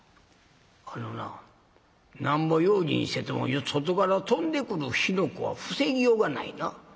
「あのななんぼ用心してても外から飛んでくる火の粉は防ぎようがないな。